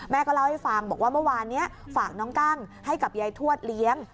เล่าให้ฟังบอกว่าเมื่อวานนี้ฝากน้องกั้งให้กับยายทวดเลี้ยง